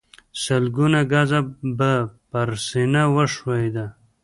سلګونه ګزه به پر سينه وښويېد.